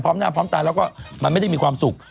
พร้อมหน้าพร้อมตาแล้วก็มันไม่ได้มีความสุข